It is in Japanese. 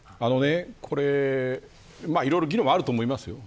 いろいろ議論はあると思います。